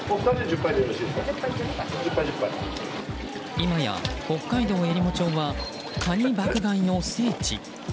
今や、北海道えりも町はカニ爆買いの聖地。